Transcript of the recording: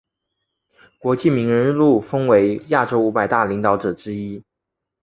国际名人录封为亚洲五百大领导者之一。